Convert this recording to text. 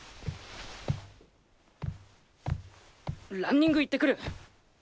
ランニング行ってくる！